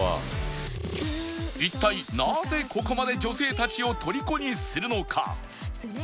一体なぜここまで女性たちを虜にするのか？